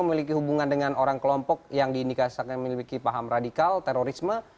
memiliki hubungan dengan orang kelompok yang diindikasikan memiliki paham radikal terorisme